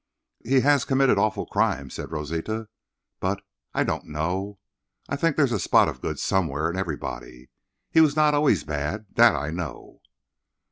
"He has committed awful crimes," said Rosita, "but—I—don't—know. I think there is a spot of good somewhere in everybody. He was not always bad—that I know."